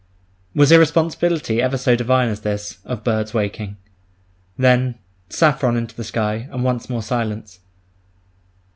Was irresponsibility ever so divine as this, of birds waking? Then—saffron into the sky, and once more silence!